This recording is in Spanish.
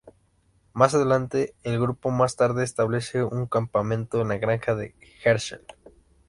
Mas adelante el grupo más tarde establece un campamento en la granja de Hershel.